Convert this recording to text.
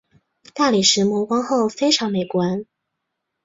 大理石磨光后非常美观。